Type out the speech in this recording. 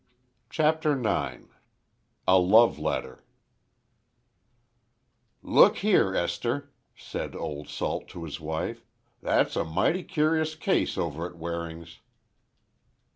CHAPTER IX A LOVE LETTER "Look here, Esther," said old Salt to his wife, "that's a mighty curious case over at Waring's."